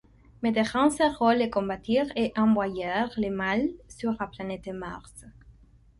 Mais de grands héros le combattirent et envoyèrent le mal sur la planète Mars.